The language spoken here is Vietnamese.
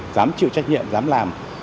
dám chịu trách nhiệm dám làm